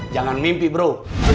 jangan mimpi bro